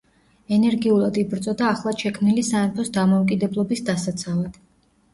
ენერგიულად იბრძოდა ახლად შექმნილი სამეფოს დამოუკიდებლობის დასაცავად.